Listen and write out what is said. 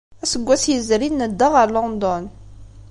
Aseggas yezrin, nedda ɣer London.